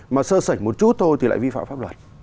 mà sơ sảnh một chút thôi thì lại vi phạm pháp luật